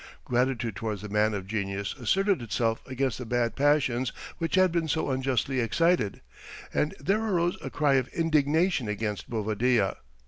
Gratitude towards the man of genius asserted itself against the bad passions which had been so unjustly excited, and there arose a cry of indignation against Bovadilla.